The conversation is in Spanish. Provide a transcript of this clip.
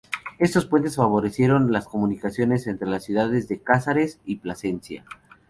Estos puentes favorecieron las comunicaciones entre las ciudades de Cáceres y Plasencia.